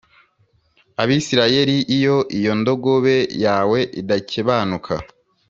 Abisirayeli Iyo iyi ndogobe yawe idakebanuka